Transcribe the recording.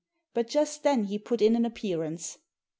But just then he put in an appearance.